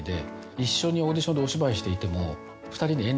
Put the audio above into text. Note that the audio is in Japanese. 一緒にオーディションでお芝居していても。